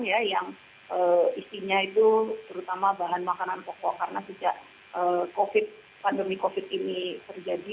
ya yang isinya itu terutama bahan makanan pokok karena sejak pandemi covid ini terjadi